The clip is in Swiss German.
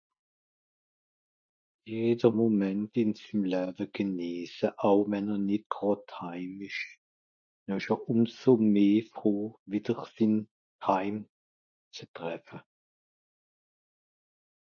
jeder moment ìm zülawe genesse àw wenn'er nìt gràd t'haim besch jà esch hàb ùm so meh froh wìtter sìn haim ...